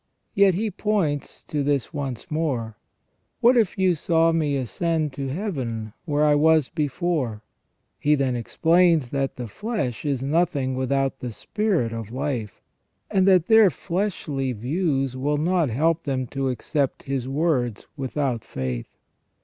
Yet He points to this once more : What if you saw Me ascend to Heaven, where I was before ? He then explains that the flesh is nothing • without the spirit of life ; and that their fleshly views will not help them to accept His words without faith.